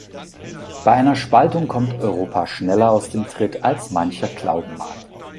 Bei einer Spaltung kommt Europa schneller aus dem Tritt, als mancher glauben mag.